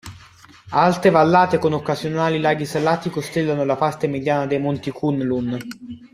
Alte vallate con occasionali laghi salati costellano la parte mediana dei monti Kunlun.